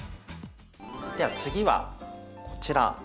では次はこちら。